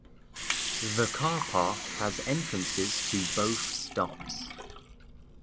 The car park has entrances to both stops.